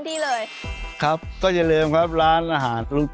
ถ้าเขาจะทำอะไรแล้วเป็นใจเขานะไม่พูดด้วย